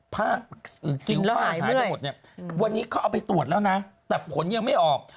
กินผ้าหายไปหมดเนี่ยวันนี้เขาเอาไปตรวจแล้วนะแต่ผลยังไม่ออก